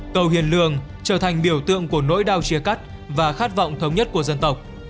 cầu hiền lương trở thành biểu tượng của nỗi đau chia cắt và khát vọng thống nhất của dân tộc